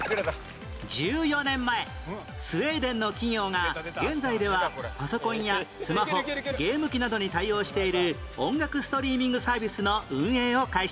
１４年前スウェーデンの企業が現在ではパソコンやスマホゲーム機などに対応している音楽ストリーミングサービスの運営を開始